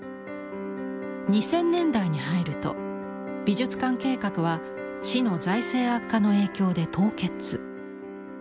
２０００年代に入ると美術館計画は市の財政悪化の影響で凍結。